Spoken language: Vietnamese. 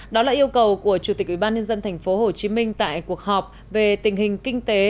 đó là yêu cầu của chủ tịch ubnd tp hcm tại cuộc họp về tình hình kinh tế